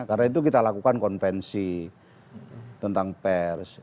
karena itu kita lakukan konvensi tentang pers